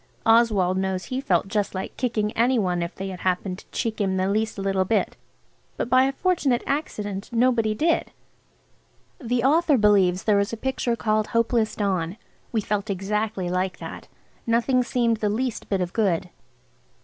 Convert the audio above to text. Oswald knows he felt just like kicking any one if they had happened to cheek him the least little bit. But by a fortunate accident nobody did. The author believes there is a picture called "Hopeless Dawn." We felt exactly like that. Nothing seemed the least bit of good.